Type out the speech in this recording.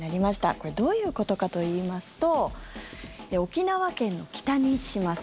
これどういうことかといいますと沖縄県の北に位置します